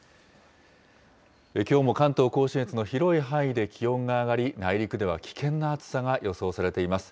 きょうも関東甲信越の広い範囲で気温が上がり、内陸では危険な暑さが予想されています。